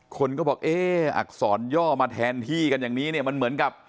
คนก็บอกเอ๊ะอักษรย่อมาแทนที่กันอย่างนี้เนี่ยมันเหมือนกับ